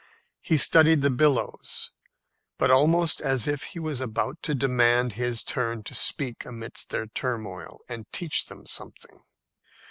He studied the billows, but almost as if he was about to demand his turn to speak amidst their turmoil, and teach them something.